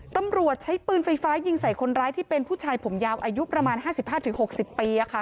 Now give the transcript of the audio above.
ตำรวจใช้ปืนไฟฟ้ายิงใส่คนร้ายที่เป็นผู้ชายผมยาวอายุประมาณ๕๕๖๐ปี